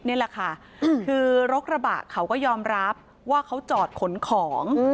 นี่แหละค่ะคือรถกระบะเขาก็ยอมรับว่าเขาจอดขนของ